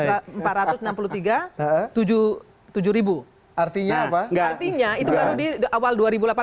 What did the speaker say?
artinya itu baru di awal dua ribu delapan belas